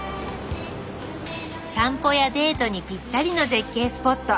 散歩やデートにぴったりの絶景スポット。